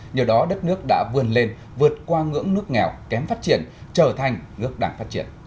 nhờ đó đất nước đã vươn lên vượt qua ngưỡng nước nghèo kém phát triển trở thành nước đảng phát triển